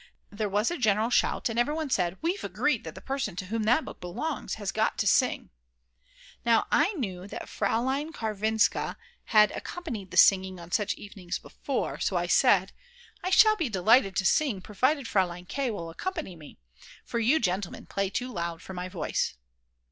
There was a general shout, and everyone said: "We've agreed that the person to whom that book belongs has got to sing." Now I knew that Fraulein Karwinska had accompanied the singing on such evenings before. So I said: "I shall be delighted to sing, provided Fraulein K. will accompany me, For you gentlemen play too loud for my voice."